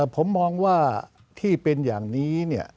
ผมมองว่าที่เป็นอย่างนี้